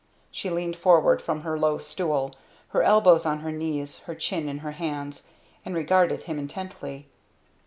She leaned forward from her low stool, her elbows on her knees, her chin in her hands, and regarded him intently.